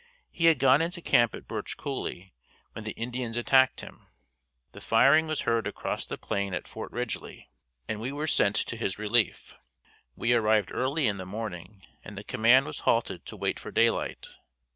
He had gone into camp at Birch Cooley when the Indians attacked him. The firing was heard across the plain at Fort Ridgely and we were sent to his relief. We arrived early in the morning and the command was halted to wait for daylight.